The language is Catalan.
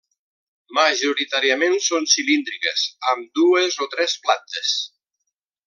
Majoritàriament són cilíndriques, amb dues o tres plantes.